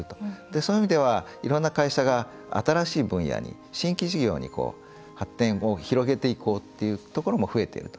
そういう意味ではいろんな会社が新しい分野に、新規事業に発展を広げていこうっていうところも増えていると。